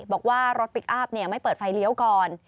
บอกว่ารถพลิกอัพไม่เปิดไฟเลี้ยวก่อน